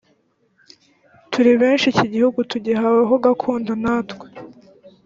turi benshi iki gihugu tugihawe ho gakondo natwe